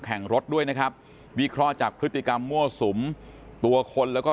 แข่งรถด้วยนะครับวิเคราะห์จากพฤติกรรมมั่วสุมตัวคนแล้วก็